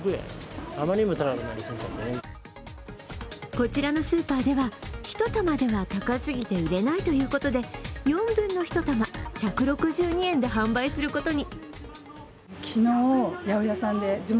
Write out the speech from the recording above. こちらのスーパーでは１玉では高すぎて売れないということで４分の１玉、１６２円で販売することに。